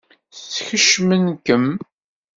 Skecmen-kem?